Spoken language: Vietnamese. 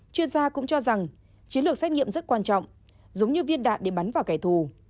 chuyên gia cũng cho rằng chiến lược xét nghiệm rất quan trọng giống như viên đạn để bắn vào kẻ thù